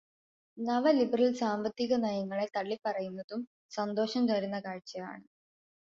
നവലിബെറൽ സാമ്പത്തികനയങ്ങളെ തള്ളിപ്പറയുന്നതും സന്തോഷം തരുന്ന കാഴ്ചയാണ്.